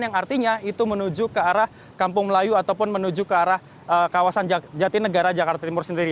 yang artinya itu menuju ke arah kampung melayu ataupun menuju ke arah kawasan jatinegara jakarta timur sendiri